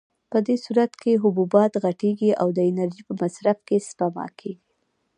په دې صورت کې حبوبات غټېږي او د انرژۍ په مصرف کې سپما کېږي.